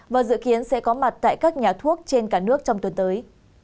và dự kiến sẽ có mặt tại các nhà thuốc trên cả nước trong tuần tới